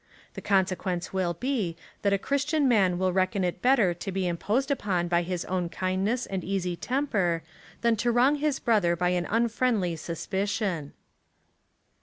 The consequence will be, that a Christian man will reckon it better to be imposed upon by his own kindness and easy temper, than to wrong his brother by an unfriendly suspicion.